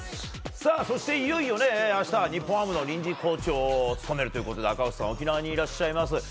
そして、いよいよ明日は日本ハムの臨時コーチを務めるということで赤星さんは沖縄にいらっしゃいます。